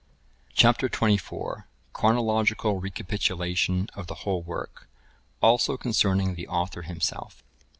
Chap. XXIV. Chronological recapitulation of the whole work: also concerning the author himself.